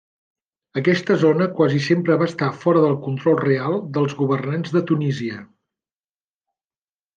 Aquesta zona quasi sempre va estar fora del control real dels governants de Tunísia.